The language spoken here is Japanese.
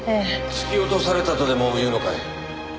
突き落とされたとでも言うのかい？